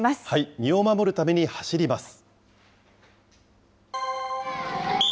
身を守るために走ります。